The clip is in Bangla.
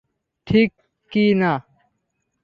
ঠিক কি না?